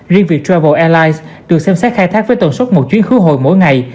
riêng viettravel airlines được xem xét khai thác với tần suất một chuyến khứ hồi mỗi ngày